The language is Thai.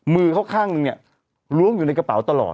มือเขาข้างนึงเนี่ยล้วงอยู่ในกระเป๋าตลอด